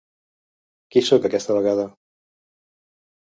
Qui sóc aquesta vegada?